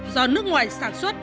do nước ngoài sản xuất